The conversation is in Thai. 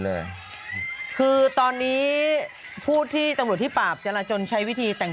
เลยคือตอนนี้ผู้ที่ตำรวจที่ปราบจราจนใช้วิธีแต่ง